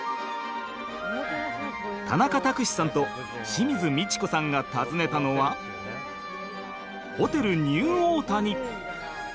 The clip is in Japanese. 田中卓志さんと清水ミチコさんが訪ねたのはホテルニューオータニ！